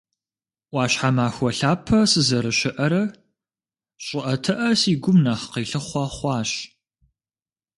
Ӏуащхьэмахуэ лъапэ сызэрыщыӏэрэ, щӏыӏэтыӏэ си гум нэхъ къилъыхъуэ хъуащ.